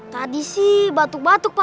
tadi sih batuk batuk pak